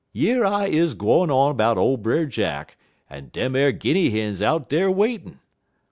Yer I is gwine on 'bout ole Brer Jack, en dem ar Guinny hins out dar waitin'.